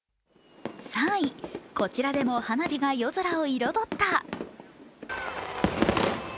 ３位、こちらでも花火が夜空を彩った。